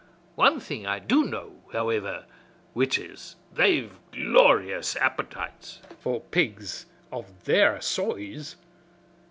Wan thing I do know, howiver, which is they've glorious appytites for pigs of their soize.